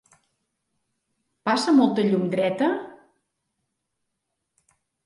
Passa molta llum dreta?